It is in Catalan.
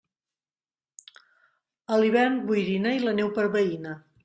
A l'hivern boirina i la neu per veïna.